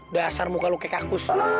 dasar muka lo kekakus